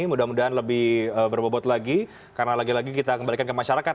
mudah mudahan lebih berbobot lagi karena lagi lagi kita kembalikan ke masyarakat